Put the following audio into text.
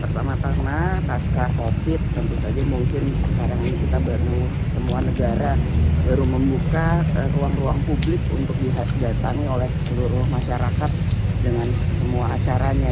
pertama tama pasca covid tentu saja mungkin sekarang ini kita baru semua negara baru membuka ruang ruang publik untuk didatangi oleh seluruh masyarakat dengan semua acaranya